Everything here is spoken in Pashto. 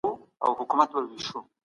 هر څوک د خپل نظر حق لري.